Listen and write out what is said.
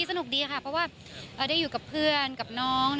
สนุกดีค่ะเพราะว่าได้อยู่กับเพื่อนกับน้อง